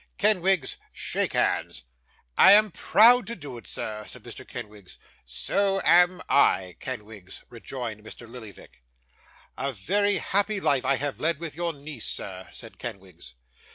Kenwigs, shake hands.' 'I am proud to do it, sir,' said Mr. Kenwigs. 'So am I, Kenwigs,' rejoined Mr. Lillyvick. 'A very happy life I have led with your niece, sir,' said Kenwigs.